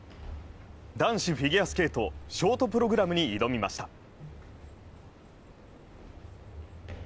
男子フィギュアスケートショートプログラムに挑みました。